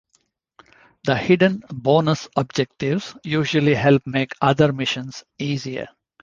The hidden bonus objectives usually help make other missions easier.